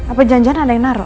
apa janjana ada yang naro